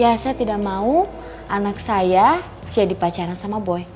ya saya tidak mau anak saya jadi pacaran sama boy